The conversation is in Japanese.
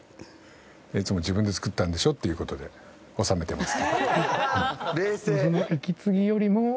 いつも「自分で作ったんでしょ？」っていう事で収めてます。